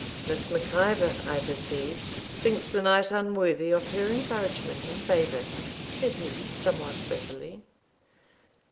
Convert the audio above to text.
'Miss Mac Ivor, I perceive, thinks the knight unworthy of her encouragement and favour,' said he, somewhat bitterly.